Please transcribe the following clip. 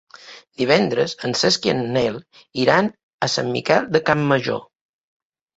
Divendres en Cesc i en Nel iran a Sant Miquel de Campmajor.